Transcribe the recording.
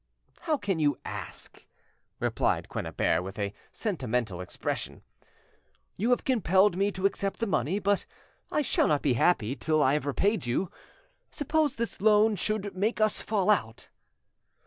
"How can you ask?" replied Quennebert, with a sentimental expression. "You have compelled me to accept the money, but—I shall not be happy till I have repaid you. Suppose this loan should make us fall out?"